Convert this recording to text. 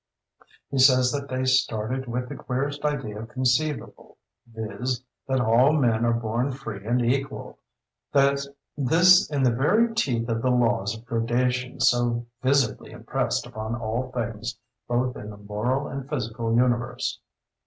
He says that they started with the queerest idea conceivable, viz: that all men are born free and equal—this in the very teeth of the laws of gradation so visibly impressed upon all things both in the moral and physical universe.